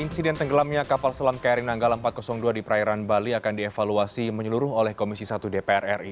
insiden tenggelamnya kapal selam kri nanggala empat ratus dua di perairan bali akan dievaluasi menyeluruh oleh komisi satu dpr ri